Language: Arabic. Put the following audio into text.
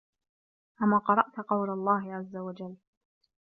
أَمَا قَرَأْت قَوْلَ اللَّهِ عَزَّ وَجَلَّ